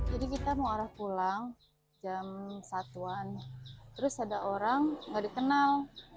jadi kita mau arah pulang jam satu an terus ada orang nggak dikenal